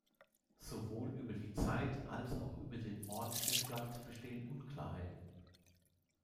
Sowohl über die Zeit als auch über den Ort der Schlacht bestehen Unklarheiten.